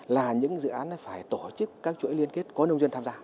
là những dự án phải tổ chức các chuỗi liên kết có nông dân tham gia